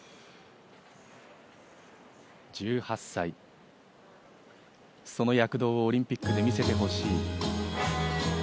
１８歳、その躍動をオリンピックで見せてほしい。